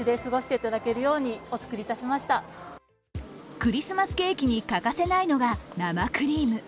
クリスマスケーキに欠かせないのが生クリーム。